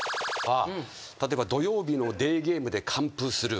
例えば土曜日のデーゲームで完封する。